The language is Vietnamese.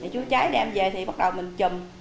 chuối trái đem về thì bắt đầu mình chùm